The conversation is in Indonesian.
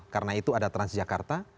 karena itu ada transjakarta